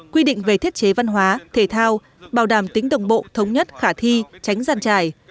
quy định về thiết chế văn hóa thể thao bảo đảm tính đồng bộ thống nhất khả thi tránh giàn trải